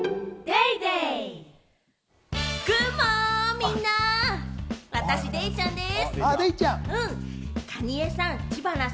みんな私、デイちゃんでぃす！